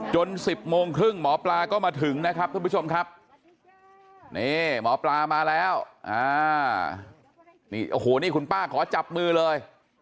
๑๐โมงครึ่งหมอปลาก็มาถึงนะครับท่านผู้ชมครับนี่หมอปลามาแล้วนี่โอ้โหนี่คุณป้าขอจับมือเลย